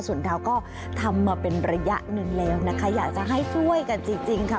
ส่วนดาวก็ทำมาเป็นระยะหนึ่งแล้วนะคะอยากจะให้ช่วยกันจริงค่ะ